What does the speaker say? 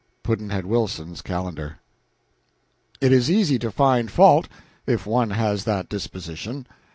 Pudd'nhead Wilson's Calendar. It is easy to find fault, if one has that disposition.